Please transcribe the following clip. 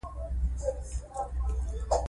زه هڅه کوم هره ورځ له وخت نه ښه استفاده وکړم